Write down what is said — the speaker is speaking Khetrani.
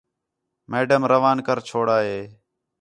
میڈم روان کر چھوڑا ہے